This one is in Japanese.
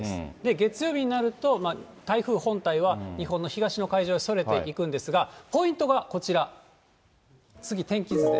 月曜日になると、台風本体は日本の東の海上へそれていくんですが、ポイントがこちら、次、天気図です。